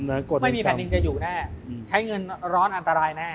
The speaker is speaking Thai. ไม่มีแผ่นดินจะอยู่แน่ใช้เงินร้อนอันตรายแน่